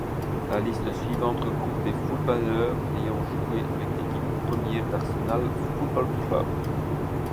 La liste suivante regroupe les footballeurs ayant joué avec l'équipe première d'Arsenal Football Club.